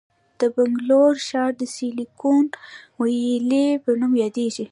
د بنګلور ښار د سیلیکون ویلي په نوم یادیږي.